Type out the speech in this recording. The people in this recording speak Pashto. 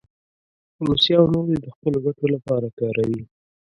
روسیه او نور یې د خپلو ګټو لپاره کاروي.